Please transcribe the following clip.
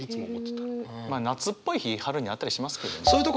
まあ夏っぽい日春にあったりしますけど。